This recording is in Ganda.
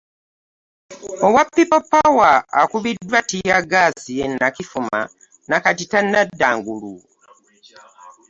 Owa people power akubiddwa ttiiyaggaasi e Nakifuma nakati tannadda ngulu.